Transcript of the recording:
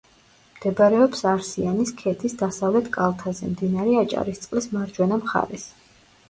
მდებარეობს არსიანის ქედის დასავლეთ კალთაზე, მდინარე აჭარისწყლის მარჯვენა მხარეს.